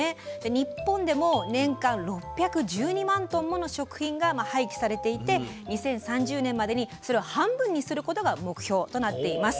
日本でも年間６１２万トンもの食品が廃棄されていて２０３０年までにそれを半分にすることが目標となっています。